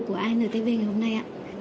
của antv ngày hôm nay ạ